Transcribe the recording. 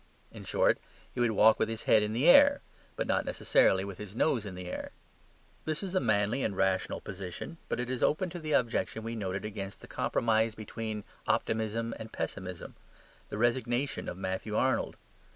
In short, he would walk with his head in the air; but not necessarily with his nose in the air. This is a manly and rational position, but it is open to the objection we noted against the compromise between optimism and pessimism the "resignation" of Matthew Arnold.